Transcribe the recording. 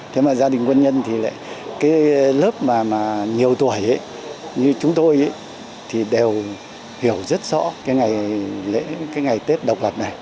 thế mà gia đình quân nhân thì lại cái lớp mà nhiều tuổi ấy như chúng tôi thì đều hiểu rất rõ cái ngày lễ cái ngày tết độc lập này